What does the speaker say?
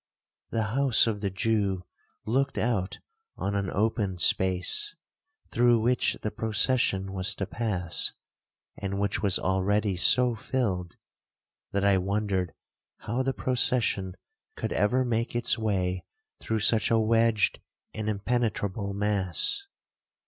The house of the Jew looked out on an open space, through which the procession was to pass, and which was already so filled, that I wondered how the procession could ever make its way through such a wedged and impenetrable mass.